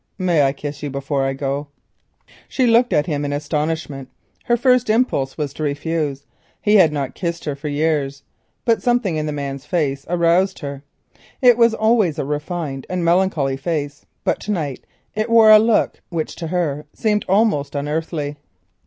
"May I kiss you before I go?" She looked at him in astonishment. Her first impulse was to refuse. He had not kissed her for years. But something in the man's face touched her. It was always a refined and melancholy face, but to night it wore a look which to her seemed almost unearthly.